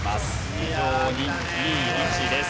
非常にいい位置です。